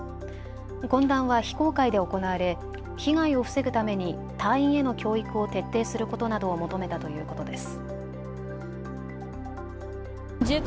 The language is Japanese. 懇談は非公開で行われ被害を防ぐために隊員への教育を徹底することなどを求めたということです。